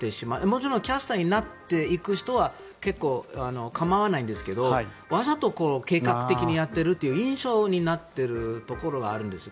もちろんキャスターになっていく人は構わないんですけどわざと計画的にやっている印象になっているところがあるんです。